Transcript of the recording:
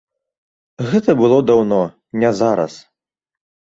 Гэта было даўно, не зараз.